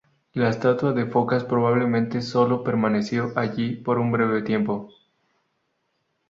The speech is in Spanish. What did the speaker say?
La estatua de Focas probablemente sólo permaneció allí por un breve tiempo.